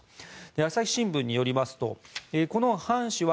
朝日新聞によりますとこのハン氏は